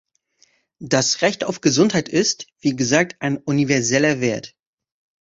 Das Recht auf Gesundheit ist, wie gesagt, ein universeller Wert.